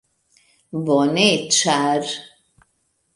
Bone ĉar...